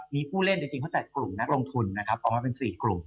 มีผู้เล่นจริงเขาจัดกลุ่มนักลงทุนนะครับออกมาเป็น๔กลุ่ม